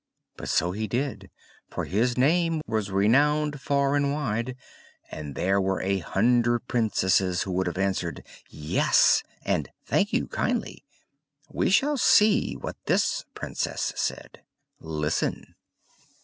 But so he did; for his name was renowned far and wide; and there were a hundred princesses who would have answered, "Yes!" and "Thank you kindly." We shall see what this princess said. Listen!